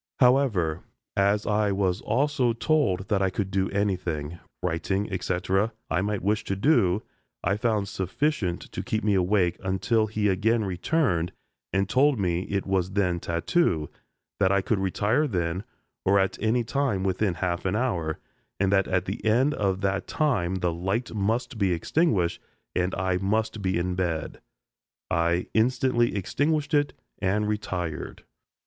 However, as I was also told that I could do anything writing, etc. I might wish to do, I found sufficient to keep me awake until he again returned and told me it was then tattoo, that I could retire then or at any time within half an hour, and that at the end of that time the light must be extinguished and I must be in bed. I instantly extinguished it and retired.